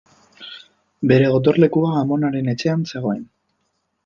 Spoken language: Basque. Bere gotorlekua amonaren etxean zegoen.